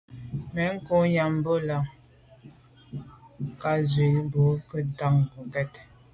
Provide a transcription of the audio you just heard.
Nkô nyam bo làn ke ntshùa bwe ntsho ndà njon ngokèt.